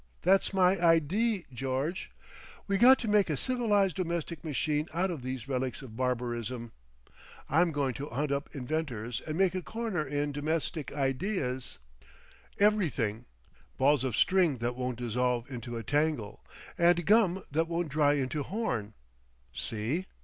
That's my idee, George. We got to make a civilised domestic machine out of these relics of barbarism. I'm going to hunt up inventors, make a corner in d'mestic ideas. Everything. Balls of string that won't dissolve into a tangle, and gum that won't dry into horn. See?